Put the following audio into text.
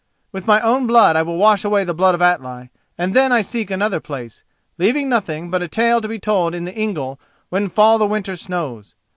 With my own blood I will wash away the blood of Atli, and then I seek another place, leaving nothing but a tale to be told in the ingle when fall the winter snows.